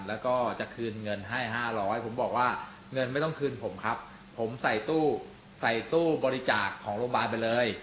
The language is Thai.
แล้วก็จะคืนเงินให้๕๐๐ผมบอกว่าเงินไม่ต้องคืนผมครับผมใส่ตู้ใส่ตู้บริจาคของโรงพยาบาลไปเลย